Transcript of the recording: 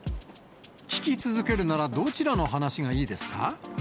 聞き続けるならどちらの話がいいですか？